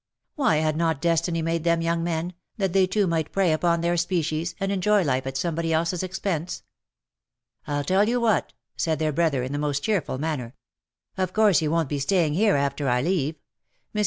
Why had not Destiny made them young men, that they too might prey upon their species, and enjoy life at somebody else's expense? " I'll tell you what," said their brother, in the most cheerful manner. " Of course you won't be staying here after I leave. Mrs.